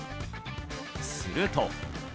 すると。